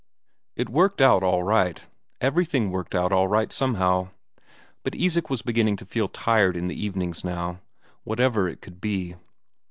It worked out all right everything worked out all right somehow. But Isak was beginning to feel tired in the evenings now whatever it could be.